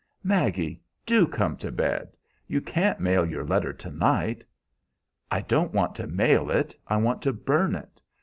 "Maggie, do come to bed! You can't mail your letter to night." "I don't want to mail it. I want to burn it.